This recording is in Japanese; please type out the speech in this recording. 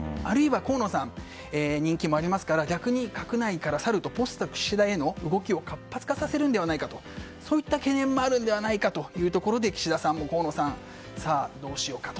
河野さんは人気もありますから逆に閣内から去るとポスト岸田への動きを活発化させるのではないかとそういった懸念もあるので岸田さんも河野さん、どうしようかと。